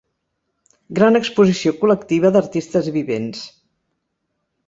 Gran exposició col·lectiva d'artistes vivents.